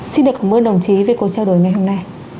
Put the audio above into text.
xin đề cầu mời đồng chí với cuộc trao đổi ngay hôm nay